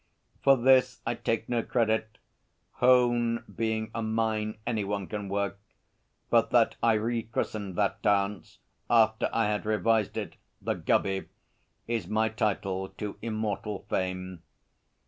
For this I take no credit Hone being a mine any one can work but that I rechristened that dance, after I had revised it, 'The Gubby' is my title to immortal fame.